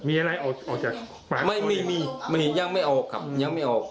มีอะไรออกจากฝังตัวเองไม่มียังไม่ออกครับยังไม่ออก